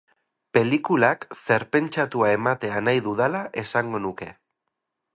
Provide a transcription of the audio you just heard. Pelikulak zer pentsatua ematea nahi dudala esango nuke.